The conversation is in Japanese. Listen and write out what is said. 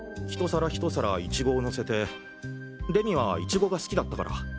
１皿１皿イチゴをのせて礼美はイチゴが好きだったから。